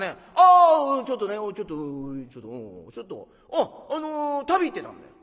「あちょっとねちょっとちょっとちょっと旅行ってたんだよ」。